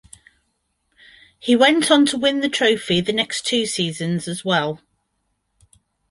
He went on to win the trophy the next two seasons as well.